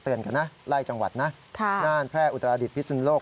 กันนะไล่จังหวัดนะน่านแพร่อุตราดิษฐพิสุนโลก